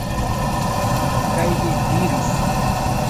Kaj li diris: